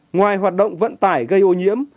ngoài hoạt động vận tải gây ô nhiễm